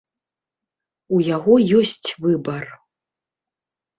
У яго ёсць выбар.